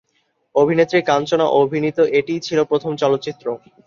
অভিনেত্রী কাঞ্চনা অভিনীত এটিই ছিলো প্রথম চলচ্চিত্র।